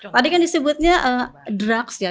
tadi kan disebutnya drugs ya